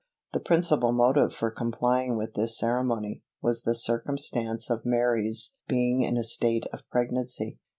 The principal motive for complying with this ceremony, was the circumstance of Mary's being in a state of pregnancy.